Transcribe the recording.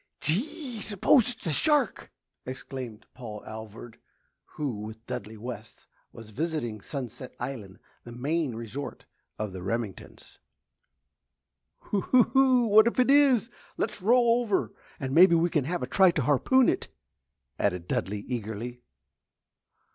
"Gee! S'pose it's a shark?" exclaimed Paul Alvord, who, with Dudley West, was visiting Sunset Island, the Maine resort of the Remingtons'. "Oo oh! What if it is? Let's row over and maybe we can have a try to harpoon it!" added Dudley, eagerly.